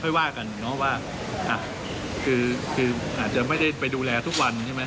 ค่อยว่ากันว่าอาจจะไม่ได้ไปดูแลทุกวันใช่ไหม